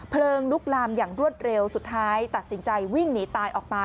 ลุกลามอย่างรวดเร็วสุดท้ายตัดสินใจวิ่งหนีตายออกมา